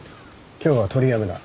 今日は取りやめだ。